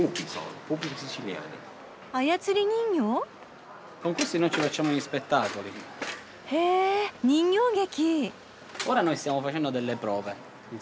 操り人形？へえ人形劇。